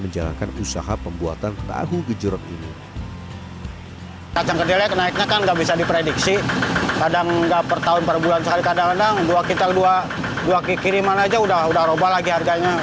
lebih dari tiga puluh ribu potong tahu gejrot yang dikirim ke berbagai daerah